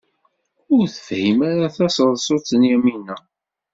Ur tefhim ara taseḍsut n Yamina.